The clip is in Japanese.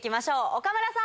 岡村さん。